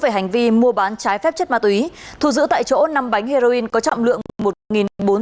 hành vi mua bán trái phép chất ma túy thu giữ tại chỗ năm bánh heroin có trọng lượng một nghìn bốn trăm tám mươi năm tám g